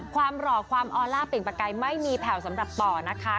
ความหลอกความออลล่าเปรียบประไกรไม่มีแผลวสำหรับป่อนะคะ